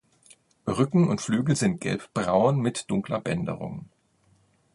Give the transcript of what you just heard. Rücken und Flügel sind gelbbraun mit dunkler Bänderung.